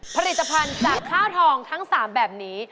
ผลิตภัณฑ์จากข้าวทองทั้ง๓แบบนี้